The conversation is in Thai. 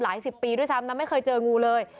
สิบปีด้วยซ้ำนะไม่เคยเจองูเลย